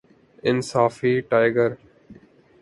انصافی ٹائگر